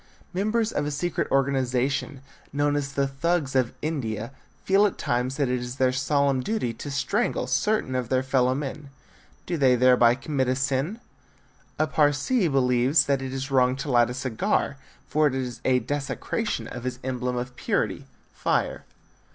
Members of a secret organization known as the Thugs of India feel at times that it is their solemn duty to strangle certain of their fellow men. Do they thereby commit a sin? A Parsee believes that it is wrong to light a cigar, for it is a desecration of his emblem of purity fire.